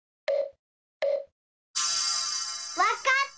わかった！